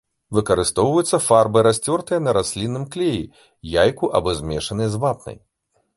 Выкарыстоўваюцца фарбы, расцёртыя на раслінным клеі, яйку або змешаныя з вапнай.